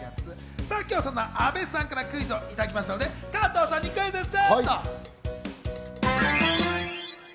今日はそんな阿部さんからクイズをいただきましたので、加藤さんにクイズッス。